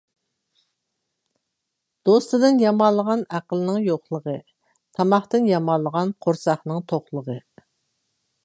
دوستتىن يامانلىغان ئەقىلنىڭ يوقلۇقى، تاماقتىن يامانلىغان قورساقنىڭ توقلۇقى.